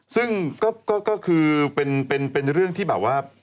ซึ่งก็คือเป็นเรื่องที่แบบว่า